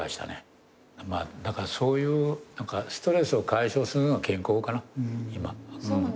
だからそういうストレスを解消するのが健康かな今。